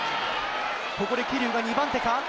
ここで桐生が２番手か。